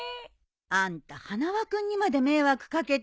あんた花輪君にまで迷惑掛けて。